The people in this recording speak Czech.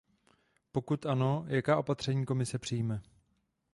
Pokud ano, jaká opatření Komise přijme?